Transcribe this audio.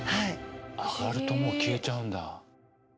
上がるともう消えちゃうんだ。